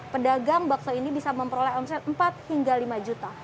pedagang bakso ini bisa memperoleh omset empat hingga lima juta